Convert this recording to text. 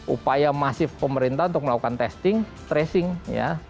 upaya masif pemerintah untuk melakukan testing tracing ya